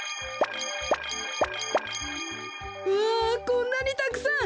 こんなにたくさん！